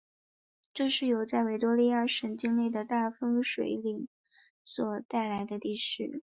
这是由在维多利亚省境内的大分水岭所带来的地势。